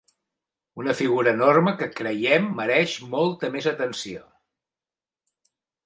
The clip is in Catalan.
Una figura enorme que creiem mereix molta més atenció.